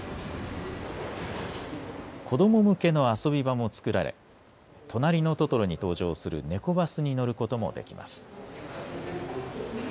子ども向けの遊び場も作られとなりのトトロに登場するネコバスに乗ることもできます。